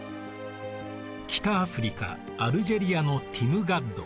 北アフリカアルジェリアのティムガッド。